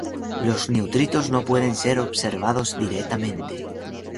Los neutrinos no pueden ser observados directamente.